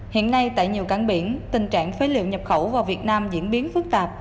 hiện nay tại nhiều cảng biển tình trạng phế liệu nhập khẩu vào việt nam diễn biến phức tạp